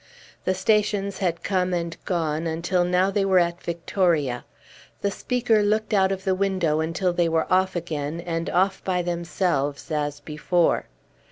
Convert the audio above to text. The stations had come and gone, until now they were at Victoria. The speaker looked out of the window, until they were off again, and off by themselves as before.